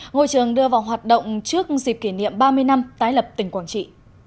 ngôi trường đưa vào hoạt động trước dịp kỷ niệm ba mươi năm tái lập tỉnh quảng trị